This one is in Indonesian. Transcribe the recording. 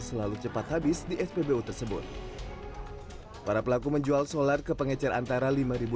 yang lalu cepat habis di spbu tersebut para pelaku menjual solar ke pengecar antara lima ribu lima ratus